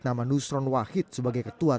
nama nusron wahid sebagai ketua